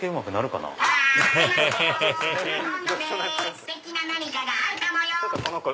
ステキな何かがあるかもよ！